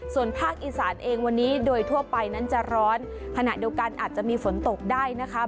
ส่วนภาคอีสานเองวันนี้โดยทั่วไปนั้นจะร้อนขณะเดียวกันอาจจะมีฝนตกได้นะคะ